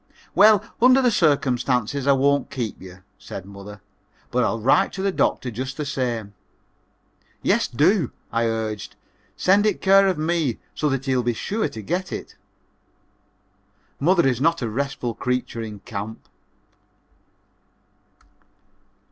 "Well, under the circumstances I won't keep you," said mother, "but I'll write to the doctor just the same." "Yes, do," I urged, "send it care of me so that he'll be sure to get it." Mother is not a restful creature in camp.